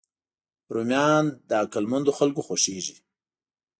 رومیان له عقلمندو خلکو خوښېږي